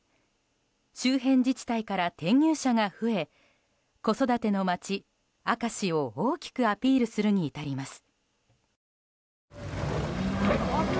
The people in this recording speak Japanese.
周辺自治体から転入者が増え子育ての街・明石を大きくアピールするに至ります。